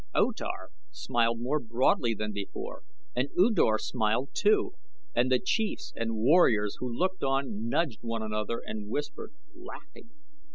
O Tar smiled more broadly than before and U Dor smiled, too, and the chiefs and warriors who looked on nudged one another and whispered, laughing.